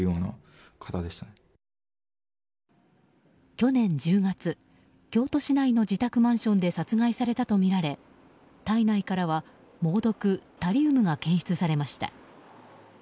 去年１０月京都市内の自宅マンションで殺害されたとみられ体内からは猛毒タリウムが検出されました。